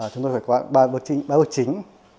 chúng tôi phải qua ba bước chính